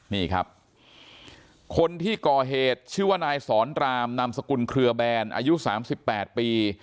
นี่ครับคนที่ก่อเหตุชื่อว่านายสอนรามนามสกุลเครือแบนอายุ๓๘ปี